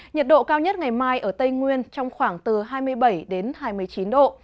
nhiệt độ cao nhất ngày mai ở tây nguyên trong khoảng từ hai mươi bảy đến hai mươi chín độ